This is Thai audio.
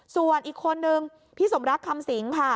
ส่วนอีกคนนึงพี่สมรักคำสิงค่ะ